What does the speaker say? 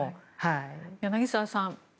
柳澤さん